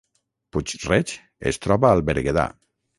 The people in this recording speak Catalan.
Puig-reig es troba al Berguedà